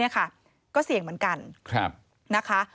ก็เสี่ยงเหมือนกัน